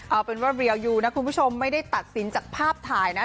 เอาเป็นว่าเรียวยูนะคุณผู้ชมไม่ได้ตัดสินจากภาพถ่ายนะ